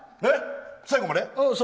最後まで？